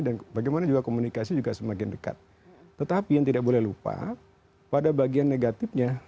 dan bagaimana juga komunikasi juga semakin dekat tetapi yang tidak boleh lupa pada bagian negatifnya